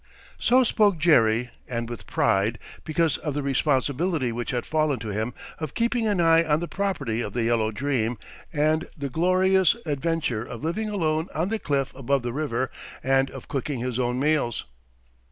So spoke Jerry, and with pride, because of the responsibility which had fallen to him of keeping an eye on the property of the Yellow Dream, and the glorious adventure of living alone on the cliff above the river and of cooking his own meals.